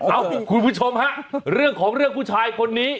คุณผู้ชมฮะเรื่องของเรื่องผู้ชายคนนี้